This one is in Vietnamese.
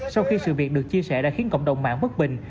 sau khi sự việc được chia sẻ đã khiến cộng đồng mạng bất bình